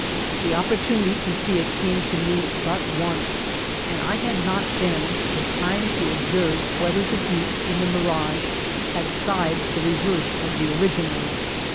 The opportunity to see it came to me but once, and I had not then the time to observe whether the buttes in the mirage had sides the reverse of the originals.